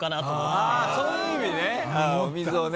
あそういう意味ね。